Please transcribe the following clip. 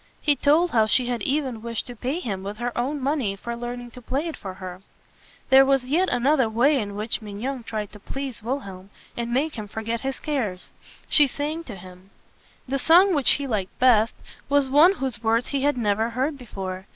He told how she had even wished to pay him with her own money for learning to play it for her. There was yet another way in which Mignon tried to please Wilhelm, and make him forget his cares. She sang to him. The song which he liked best was one whose words he had never heard before.